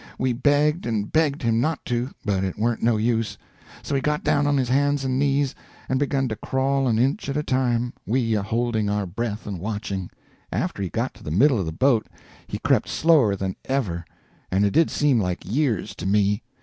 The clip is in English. We begged and begged him not to, but it warn't no use; so he got down on his hands and knees, and begun to crawl an inch at a time, we a holding our breath and watching. After he got to the middle of the boat he crept slower than ever, and it did seem like years to me.